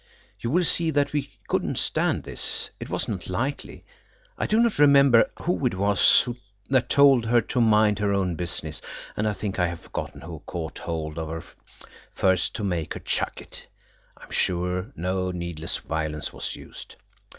You will see that we couldn't stand this; it was not likely. I do not remember who it was that told her to mind her own business, and I think I have forgotten who caught hold of her first to make her chuck it. I am sure no needless violence was used.